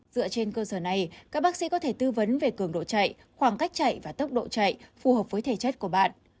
dựa trên cơ sở này các bác sĩ có thể tư vấn về cường độ chạy khoảng cách chạy và tốc độ chạy phù hợp với thể chất của bạn